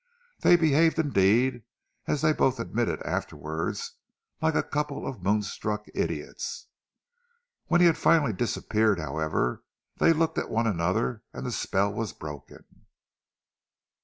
They behaved, indeed, as they both admitted afterwards, like a couple of moonstruck idiots. When he had finally disappeared, however, they looked at one another and the spell was broken.